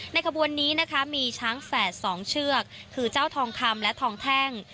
ขบวนนี้นะคะมีช้างแฝด๒เชือกคือเจ้าทองคำและทองแท่ง